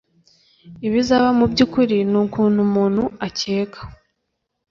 Ibizaba mubyukuri nukuntu umuntu akeka.